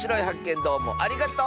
どうもありがとう！